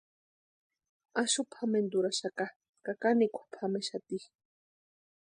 Axu pʼamenturhaxaka ka kanikwa pʼamexati.